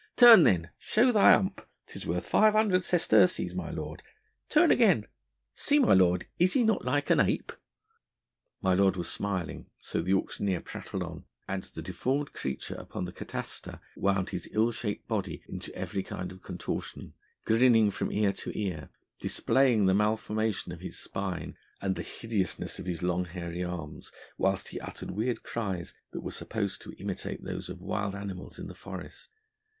Turn then, show thy hump, 'tis worth five hundred sesterces, my lord ... turn again ... see my lord, is he not like an ape?" My lord was smiling, so the auctioneer prattled on, and the deformed creature upon the catasta wound his ill shapen body into every kind of contortion, grinning from ear to ear, displaying the malformation of his spine, and the hideousness of his long hairy arms, whilst he uttered weird cries that were supposed to imitate those of wild animals in the forest.